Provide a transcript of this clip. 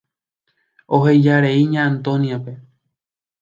Ohejarei Ña Antonia-pe.